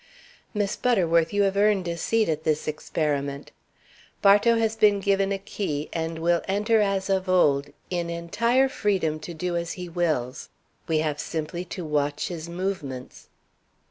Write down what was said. "Miss Butterworth, you have earned a seat at this experiment. Bartow has been given a key, and will enter as of old in entire freedom to do as he wills. We have simply to watch his movements."